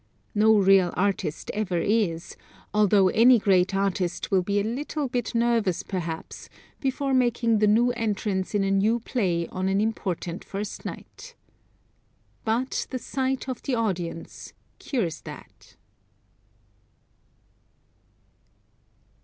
No real artist ever is, although any great artist will be a little bit nervous perhaps before making the first entrance in a new play on an important first night. But the sight of the audience cures that.